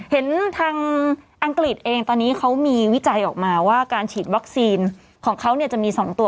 เห็นทางอังกฤษเองตอนนี้เขามีวิจัยออกมาว่าการฉีดวัคซีนของเขาเนี่ยจะมี๒ตัว